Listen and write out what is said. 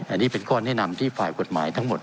อันนี้เป็นข้อแนะนำที่ฝ่ายกฎหมายทั้งหมด